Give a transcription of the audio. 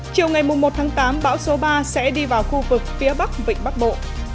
chiều ngày một tháng tám bão số ba sẽ đi vào khu vực phía bắc vịnh bắc bộ